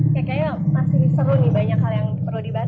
kayaknya masih seru nih banyak hal yang perlu dibahas